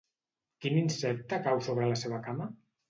Quin insecte cau sobre de la seva cama?